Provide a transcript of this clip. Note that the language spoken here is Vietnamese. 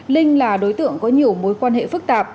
linh là đối tượng có nhiều mối quan hệ phức tạp